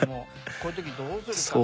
こういう時どうするか。